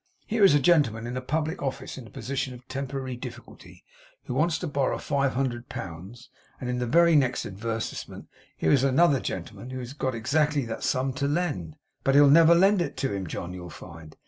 Here is a gentleman in a public office in a position of temporary difficulty, who wants to borrow five hundred pounds; and in the very next advertisement here is another gentleman who has got exactly that sum to lend. But he'll never lend it to him, John, you'll find!